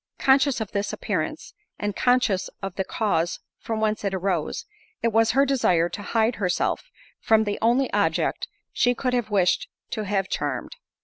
Conscious of this appearance, and conscious of the cause from whence it arose, it was her desire to hide herself from the only object she could have wished to have charmed.